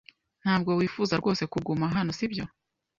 Ntabwo wifuza rwose kuguma hano, sibyo?